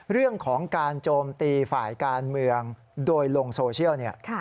เรื่องของการโจมตีฝ่ายการเมืองโดยลงโซเชียลเนี่ย